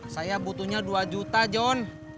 saya butuhnya dua juta john